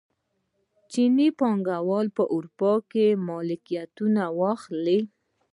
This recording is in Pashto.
چیني پانګوال په اروپا کې ملکیتونه اخلي.